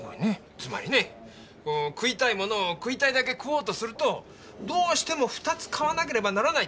つまりね食いたいものを食いたいだけ食おうとするとどうしても２つ買わなければならない。